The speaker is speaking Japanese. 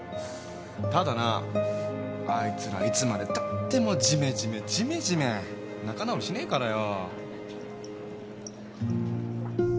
ただなあいつらいつまでたってもじめじめじめじめ仲直りしねえからよ。